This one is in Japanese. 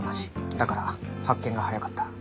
だから発見が早かった。